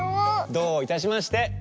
どういたしまして。